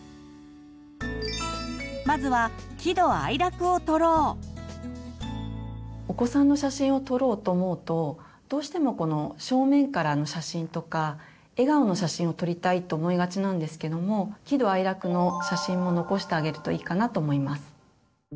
まずはお子さんの写真を撮ろうと思うとどうしてもこの正面からの写真とか笑顔の写真を撮りたいと思いがちなんですけども喜怒哀楽の写真も残してあげるといいかなと思います。